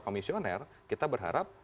komisioner kita berharap